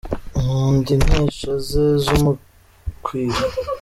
Nkunda inkesha ze z’umukwira.